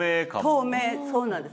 透明そうなんです。